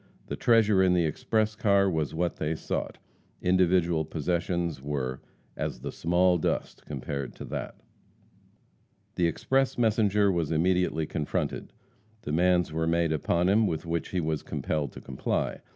The treasure in the express car was what they sought. Individual possessions were as "the small dust" compared to that. The express messenger was immediately confronted. Demands were made upon him with which he was compelled to comply.